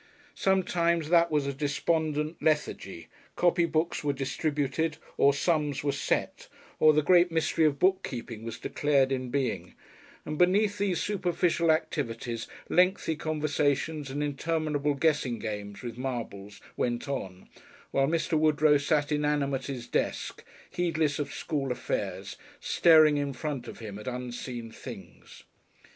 Sometimes that was a despondent lethargy; copy books were distributed or sums were "set," or the great mystery of bookkeeping was declared in being, and beneath these superficial activities lengthy conversations and interminable guessing games with marbles went on while Mr. Woodrow sat inanimate at his desk heedless of school affairs, staring in front of him at unseen things.